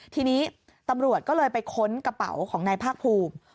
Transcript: ทีนี้ตำรวจก็เลยไปค้นกระเป๋าของนายภาคภูมิ